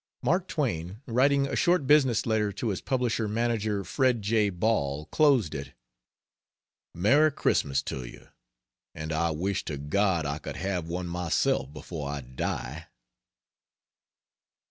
Mark Twain, writing a short business letter to his publishing manager, Fred J. Ball, closed it: "Merry Xmas to you! and I wish to God I could have one myself before I die."